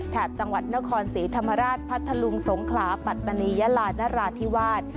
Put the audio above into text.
จังหวัดนครศรีธรรมราชพัทธลุงสงขลาปัตตานียาลานราธิวาส